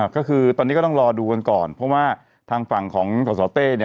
ก็คือตอนนี้ก็ต้องรอดูกันก่อนเพราะว่าทางฝั่งของสสเต้